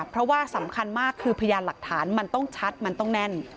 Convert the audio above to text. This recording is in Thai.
เพราะว่าสำคัญมากคือพยานหลักฐานมันต้องชัดมันต้องแน่น